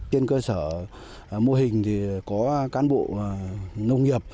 trên cơ sở mô hình thì có cán bộ nông nghiệp